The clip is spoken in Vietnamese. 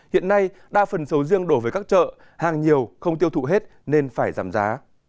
hiện nay đa phần sầu riêng đổ về các chợ hàng nhiều không tiêu thụ hết nên phải giảm giá